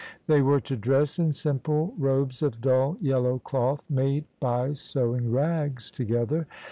They were to dress in simple robes of dull yellow cloth, made by sewing rags together.